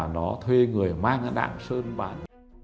nó thuê người mang đạn sơn